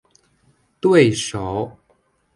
对手